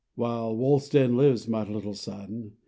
'While Wulstan lives, my little son.